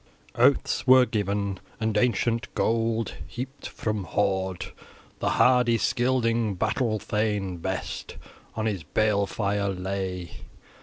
Oaths were given, and ancient gold heaped from hoard. The hardy Scylding, battle thane best, {16i} on his balefire lay.